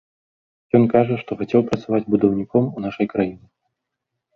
Ён кажа, што хацеў працаваць будаўніком у нашай краіне.